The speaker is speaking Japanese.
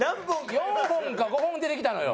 ４本か５本出てきたのよ。